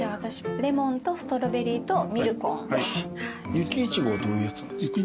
雪いちごはどういうやつなんですか？